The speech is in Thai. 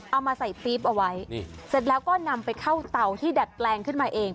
เอามาใส่ปี๊บเอาไว้เสร็จแล้วก็นำไปเข้าเตาที่ดัดแปลงขึ้นมาเอง